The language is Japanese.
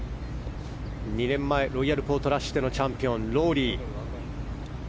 ２年前ロイヤルポートラッシュでのチャンピオン、ロウリー。